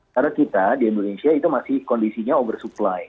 karena kita di indonesia itu masih kondisinya oversupply